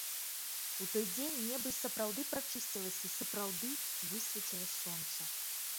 У той дзень неба і сапраўды прачысцілася і сапраўды высвеціла сонца.